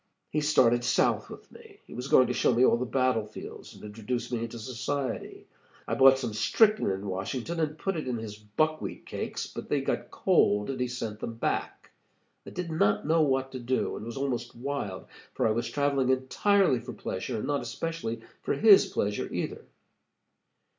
"He started south with me. He was going to show me all the battle fields, and introduce me into society. I bought some strychnine in Washington, and put it in his buckwheat cakes; but they got cold, and he sent them back. I did not know what to do, and was almost wild, for I was traveling entirely for pleasure, and not especially for his pleasure either.